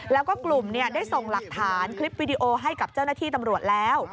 แล้วก็กลุ่มได้ส่งหลักฐานคลิปวิดีโอให้กับเจ้าหน้าที่ตำรวจแล้ว